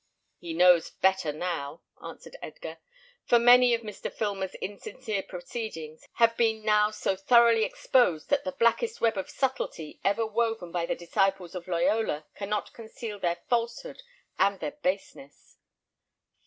"He knows better now," answered Edgar; "for many of Mr. Filmer's insincere proceedings have been now so thoroughly exposed, that the blackest web of subtlety ever woven by the disciples of Loyola cannot conceal their falsehood and their baseness."